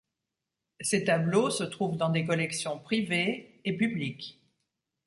Ses tableaux se trouvent dans des collections privées et publiques.